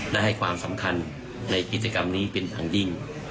ได้ให้ความสำคัญในกิจกรรมนี้เป็นทางดิ้ง